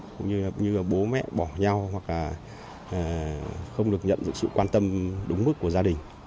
cũng như bố mẹ bỏ nhau hoặc là không được nhận sự quan tâm đúng mức của gia đình